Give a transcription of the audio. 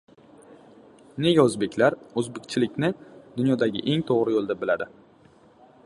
Nega oʻzbeklar “oʻzbekchilik” ni dunyodagi eng toʻgʻri yoʻl deb bilishadi?